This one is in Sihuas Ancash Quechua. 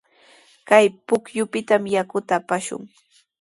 Kay pukyupitami yakuta apashun.